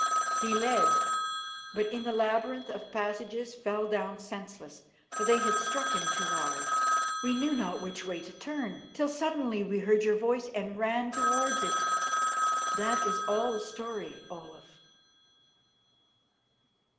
He led, but in the labyrinth of passages fell down senseless, for they had struck him too hard. We knew not which way to turn, till suddenly we heard your voice and ran towards it. "That is all the story, Olaf."